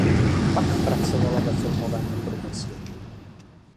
Pak pracovala ve filmovém průmyslu.